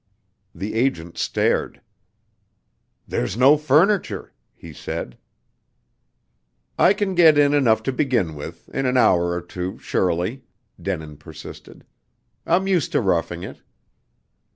The agent stared. "There's no furniture," he said. "I can get in enough to begin with, in an hour or two, surely," Denin persisted. "I'm used to roughing it."